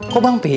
kok bang pi